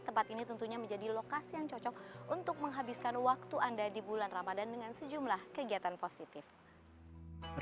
tempat ini tentunya menjadi lokasi yang cocok untuk menghabiskan waktu anda di bulan ramadan dengan sejumlah kegiatan positif